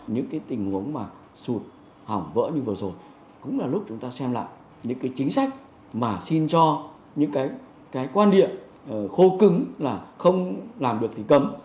những cái tình huống mà sụt hỏng vỡ như vừa rồi cũng là lúc chúng ta xem lại những cái chính sách mà xin cho những cái quan điểm khô cứng là không làm được thì cấm